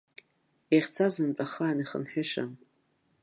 Иахьцазынтә ахаан ихынҳәышам.